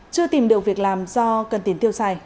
chưa tìm được việc làm do cần tiền tiêu xài